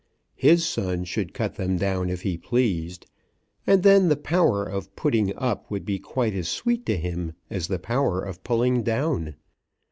His son should cut them down if he pleased. And then the power of putting up would be quite as sweet to him as the power of pulling down.